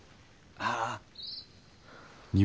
ああ。